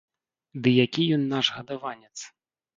Ды які ён наш гадаванец?